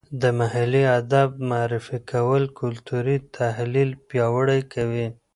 د محلي ادب معرفي کول کلتوري تحلیل پیاوړی کوي.